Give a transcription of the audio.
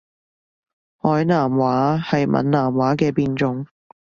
海南話係閩南話嘅變種